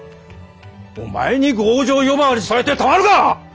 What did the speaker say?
お前に剛情呼ばわりされてたまるか！